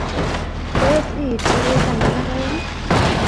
tos it agoi taman oi aeng